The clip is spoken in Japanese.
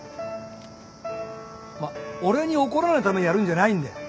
俺に怒られないためにやるんじゃないんだよ。